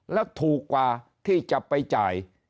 แล้วถูกกว่าที่จะไปจ่าย